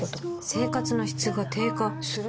生活の質が低下する？